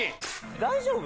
大丈夫？